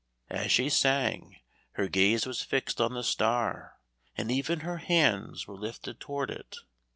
As she sang, her gaze was fixed on the star, and even her hands were lifted toward it.